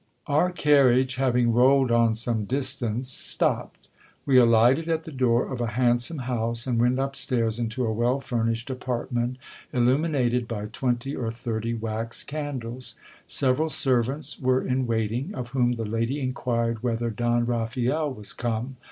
Our carriage, having rolled on some distance, stopped. We alighted at the door of a handsome house, and went up stairs into a well furnished apartment, illuminated by twenty or thirty wax candles. Several servants were in waiting, of whom the lady inquired whether Don Raphael was come.